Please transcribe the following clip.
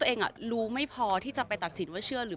บางทีเค้าแค่อยากดึงเค้าต้องการอะไรจับเราไหล่ลูกหรือยังไง